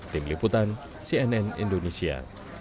tim liputan cnn indonesia